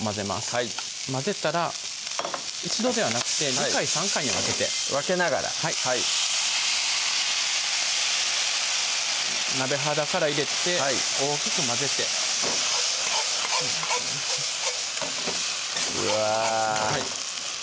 はい混ぜたら一度ではなくて２回・３回に分けて分けながらはい鍋肌から入れて大きく混ぜてうわ